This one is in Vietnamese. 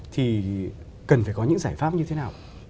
thì cần phải có những giải pháp như thế nào